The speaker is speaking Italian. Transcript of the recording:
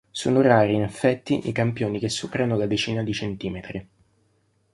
Sono rari, in effetti, i campioni che superano la decina di centimetri.